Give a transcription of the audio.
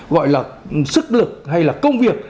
gọi là sức lực hay là công việc